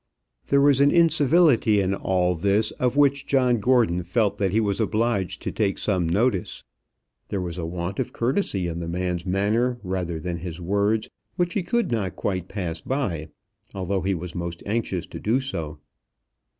There was an incivility in all this of which John Gordon felt that he was obliged to take some notice. There was a want of courtesy in the man's manner rather than his words, which he could not quite pass by, although he was most anxious to do so.